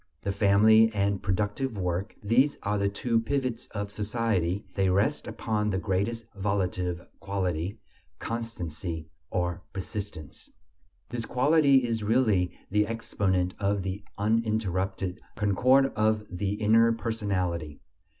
The family and productive work: these are the two pivots of society; they rest upon the greatest volitive quality: constancy, or persistence. This quality is really the exponent of the uninterrupted concord of the inner personality.